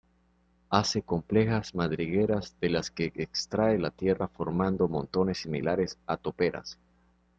Hace complejas madrigueras de las que extrae la tierra formando montones similares a toperas.